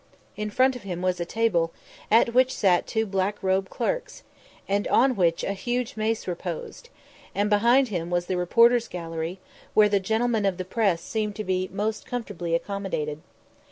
In front of him was a table, at which sat two black robed clerks, and on which a huge mace reposed; and behind him was the reporters' gallery, where the gentlemen of the press seemed to be most comfortably accommodated.